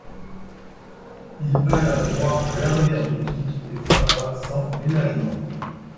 Il alla droit à l’arrière-boutique et frappa sans ménagement.